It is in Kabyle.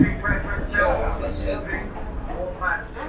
Keṛheɣ tasertit.